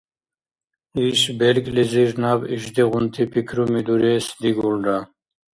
Иш белкӀлизир наб ишдигъунти пикруми дурес дигулра.